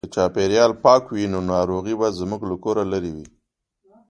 که چاپیریال پاک وي نو ناروغۍ به زموږ له کوره لیري وي.